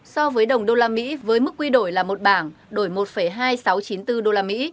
so với đồng usd với mức quy đổi là một bảng đổi một hai nghìn sáu trăm chín mươi bốn usd